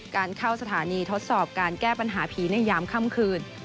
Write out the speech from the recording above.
การเข้าสถานีทดสอบการแก้ปัญหาผีในยามค่ำคืน